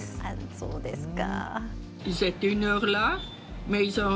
そうですか。